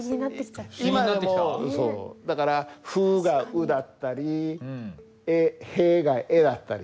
そうだから「ふ」が「う」だったり「へ」が「え」だったりした。